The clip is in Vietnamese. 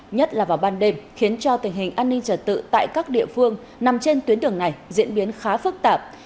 nhất là vào ban đêm khiến cho tình hình an ninh trật tự tại các địa phương nằm trên tuyến đường này diễn biến khá phức tạp